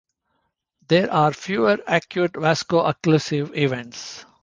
There are fewer acute vaso-occlusive events.